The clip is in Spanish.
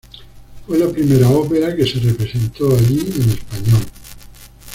Fue la primera ópera que se representó allí en español.